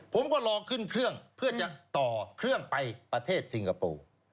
ผมก็รอขึ้นเครื่องเพื่อจะต่อเครื่องไปประเทศสิงคโปร์